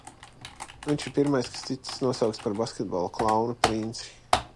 Viņš ir pirmais, kas ticis nosaukts par basketbola klauna princi.